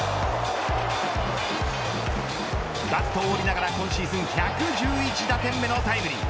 バットを折りながら今シーズン１１１打点目のタイムリー。